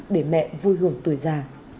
để mẹ vui hưởng tuổi già